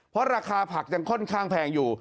เพราะราคาผักยังค่อนข้างแพงอยู่